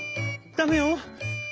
「ダメよ！